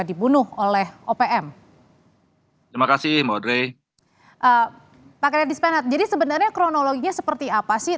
dibunuh oleh opm terima kasih mbak dray pakai dispend jadi sebenarnya kronologinya seperti apa sih